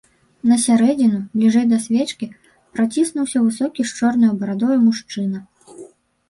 На сярэдзіну, бліжэй да свечкі, праціснуўся высокі з чорнаю барадою мужчына.